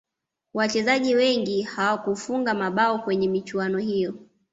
wachezaji wengi hawakufunga mabao kwenye michuano hiyo